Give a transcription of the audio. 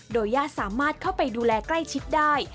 โดยญาติสามารถเข้าไปดูแลใกล้ชิดได้